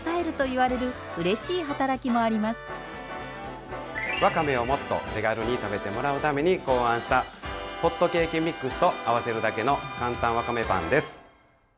わかめをもっと手軽に食べてもらうために考案したホットケーキミックスと合わせるだけのかんたんわかめパンです。